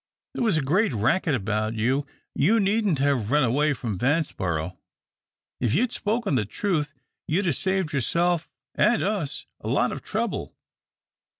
"There was a great racket about you. You needn't have run away from Vanceboro if you'd spoken the truth, you'd saved yourself and us a lot of trouble.